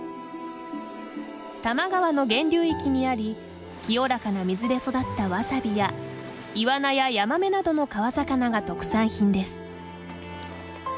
多摩川の源流域にあり清らかな水で育ったわさびやイワナやヤマメなどの川魚が特産品です。